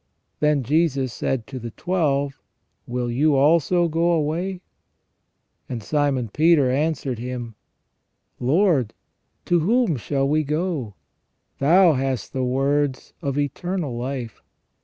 " Then Jesus said to the Twelve : Will you also go away ? And Simon Peter answered Him : Lord, to whom shall we go ? Thou hast the words of eternal life.